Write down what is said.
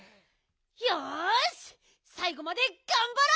よしさいごまでがんばろう！